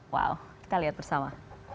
wow kita lihat bersama